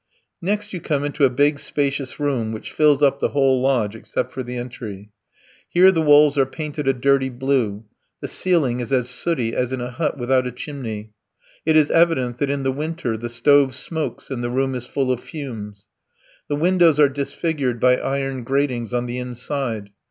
Next you come into a big, spacious room which fills up the whole lodge except for the entry. Here the walls are painted a dirty blue, the ceiling is as sooty as in a hut without a chimney it is evident that in the winter the stove smokes and the room is full of fumes. The windows are disfigured by iron gratings on the inside.